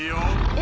え？